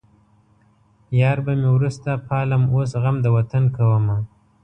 يار به مې وروسته پالم اوس غم د وطن کومه